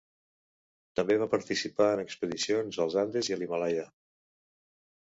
També va participar en expedicions als Andes i a l'Himàlaia.